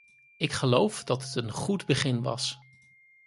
Ik geloof dat het een goed begin was.